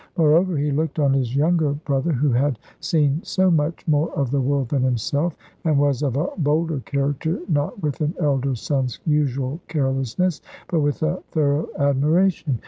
Moreover, he looked on his younger brother, who had seen so much more of the world than himself, and was of a bolder character, not with an elder son's usual carelessness, but with a thorough admiration.